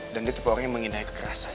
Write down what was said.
dan dia tipe orang yang mengindahi kekerasan